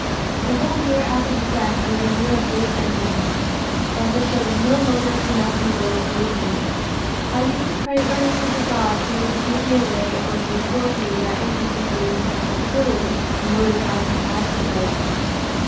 The whole year after her death was a year of great emptiness, as if there was not motive enough in the world to move me. I used to pray earnestly to God either to take me away, or to restore to me that interest in things and susceptibility to motive I had had before."